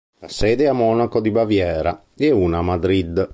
La sede è a Monaco di Baviera, e una a Madrid.